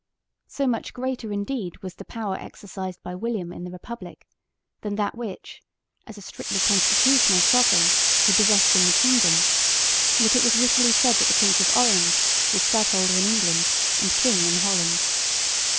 So much greater indeed was the power exercised by William in the Republic than that which, as a strictly constitutional sovereign, he possessed in the kingdom, that it was wittily said that the Prince of Orange was stadholder in England and king in Holland.